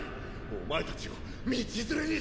お前たちを道連れにしてやる。